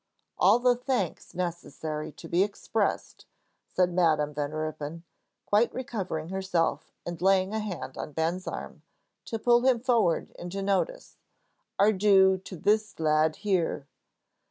"All the thanks necessary to be expressed," said Madam Van Ruypen, quite recovering herself and laying a hand on Ben's arm, to pull him forward into notice, "are due to this lad here."